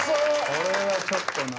これはちょっとな。